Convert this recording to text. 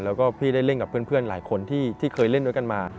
แล้วก็พี่ได้เล่นกับเพื่อนหลายคนที่เคยเล่นด้วยกันมา